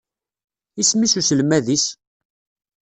Isem-is uselmad-is?